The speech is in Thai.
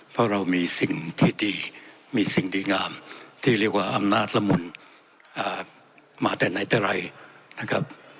เพราะเรามีสิ่งที่ดีมีสิ่งดีงามที่เรียกว่าอำนาจละมุนมาแต่ไหนแต่ไรนะครับ